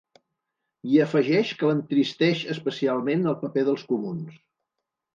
I afegeix que l’entristeix especialment el paper dels comuns.